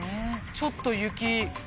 ちょっと。